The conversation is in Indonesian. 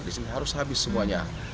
di sini harus habis semuanya